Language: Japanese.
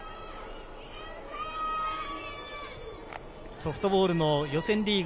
ソフトボールの予選リーグ